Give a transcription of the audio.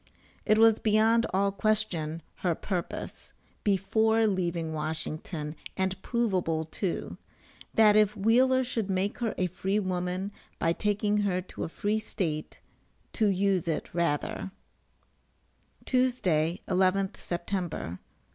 It was beyond all question her purpose, before leaving Washington and provable too, that if Wheeler should make her a free woman by taking her to a free state "to use it rather." Tuesday, 11th September.